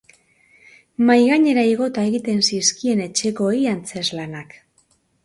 Mahai gainera igota egiten zizkien etxekoei antzezlanak.